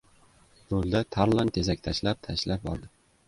Yo‘lda Tarlon tezak tashlab-tashlab bordi.